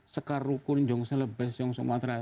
sekarukun yonselebes yongsomatra